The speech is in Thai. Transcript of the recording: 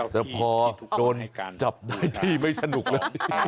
แต่พอโดนจับได้ที่ไม่สนุกเลย